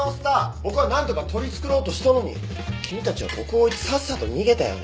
僕は何とか取り繕おうとしたのに君たちは僕を置いてさっさと逃げたよね。